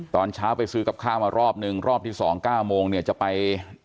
ตอนเช้าไปซื้อกับข้าวมารอบนึงรอบที่๒๙โมงเนี่ยจะไป